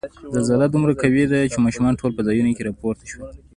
زلزله دومره قوي وه چې ماشومان ټول په ځایونو کې را پورته شول.